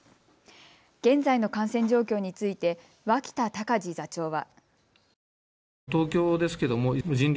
現在の感染状況について脇田隆字座長は。